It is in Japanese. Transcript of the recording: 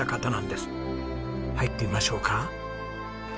入ってみましょうか。